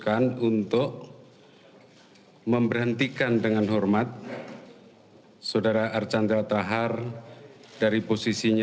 atas perhatiannya kami sampaikan banyak terima kasih